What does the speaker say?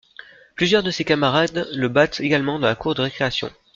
Plusieurs de ses camarades le battent également dans la cour de récréation.